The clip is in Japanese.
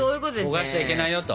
焦がしちゃいけないよと。